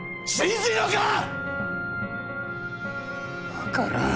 分からん。